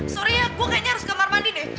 sorry ya gue kayaknya harus ke kamar mandi deh